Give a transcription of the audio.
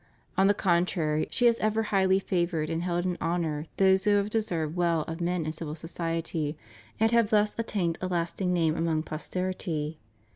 On the contrary, she has ever highly favored and held in honor those who have deserved well of men in civil society, and have thus attained a lasting name among posterity.